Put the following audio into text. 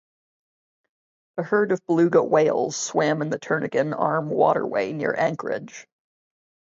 A herd of beluga whales swam in the Turnagain Arm waterway near Anchorage.